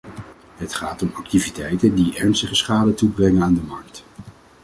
Het gaat om activiteiten die ernstige schade toebrengen aan de markt.